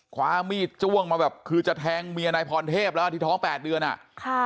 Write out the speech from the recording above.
คว้ามีดจ้วงมาแบบคือจะแทงเมียนายพรเทพแล้วอ่ะที่ท้องแปดเดือนอ่ะค่ะ